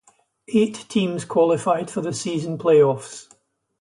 Eight teams qualified for the Season Playoffs.